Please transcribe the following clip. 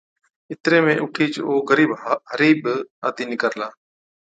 اِتري ۾ اُٺِيچ او غرِيب هارِي بِي آتِي نِڪرلا۔